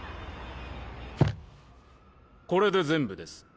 これで全部です